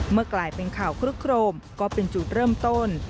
กลายเป็นข่าวคลึกโครมก็เป็นจุดเริ่มต้น